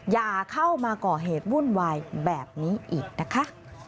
อย่าเข้ามาก่อเหตุวุ่นวายแบบนี้อีกนะคะ